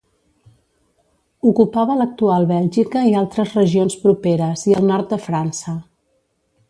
Ocupava l'actual Bèlgica i altres regions properes i el nord de França.